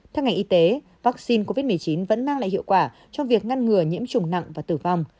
theo ngành y tế vaccine covid một mươi chín vẫn mang lại hiệu quả trong việc ngăn ngừa nhiễm trùng nặng và tử vong